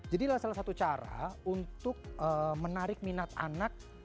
jadilah salah satu cara untuk menarik minat anak untuk makan sayur